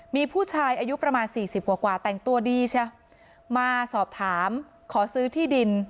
มีผู้ชายอายุประมาณสี่สิบกว่ากว่าแต่งตัวดีเชียมาสอบถามขอซื้อที่ดิน